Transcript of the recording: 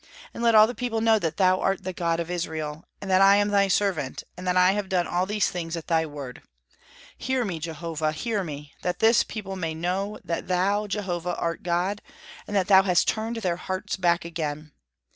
and let all the people know that thou art the God of Israel, and that I am thy servant, and that I have done all these things at thy word. Hear me, Jehovah, hear me! that this people may know that thou, Jehovah, art God, and that thou hast turned their hearts back again."